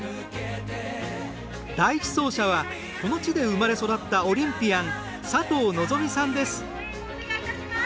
第１走者は、この地で生まれ育ったオリンピアン佐藤希望さんです。